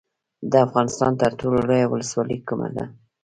د افغانستان تر ټولو لویه ولسوالۍ کومه ده؟